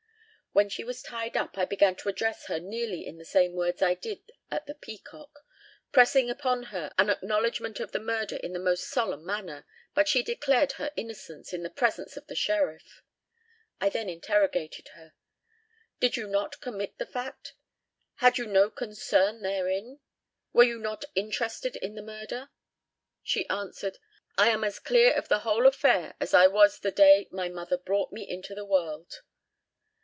When she was tied up I began to address her nearly in the same words I did at the Peacock, pressing upon her an acknowledgment of the murder in the most solemn manner, but she declared her innocence in the presence of the sheriff. I then interrogated her. 'Did you not commit the fact? Had you no concern therein? Were you not interested in the murder?' She answered, 'I am as clear of the whole affair as I was the day my mother brought me into the world.'